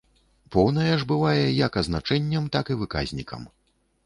Поўная ж бывае як азначэннем, так і выказнікам.